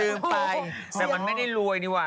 ลืมไปแต่มันไม่ได้รวยดีกว่า